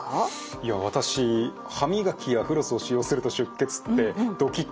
いや私「歯磨きやフロスを使用すると出血」ってドキッとしちゃいました。